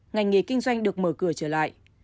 ngành nghề kinh doanh được mở cửa trở lại